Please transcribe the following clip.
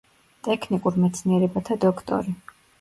ტექნიკურ მეცნიერებათა დოქტორი.